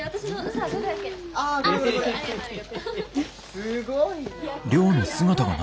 すごいな。